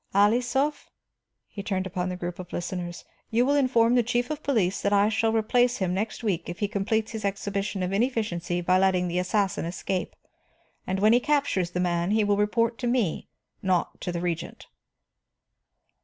Alisof," he turned upon the group of listeners, "you will inform the chief of police that I shall replace him next week if he completes this exhibition of inefficiency by letting the assassin escape. And when he captures the man, he will report to me, not to the Regent."